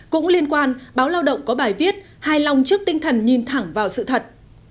cũng liên quan báo lao động có bài viết hài lòng trước tinh thần nhìn thẳng vào sự thật